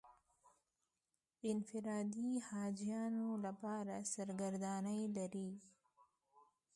انفرادي حاجیانو لپاره سرګردانۍ لري.